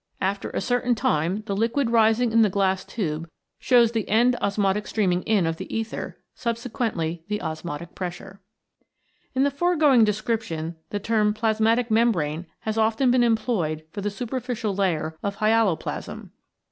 After a certain time the liquid rising in the glass tube shows the endosmotic streaming in of ether, subsequently the osmotic pressure. In the foregoing description the term Plasmatic Membrane has often been employed for the super ficial layer of hyaloplasm.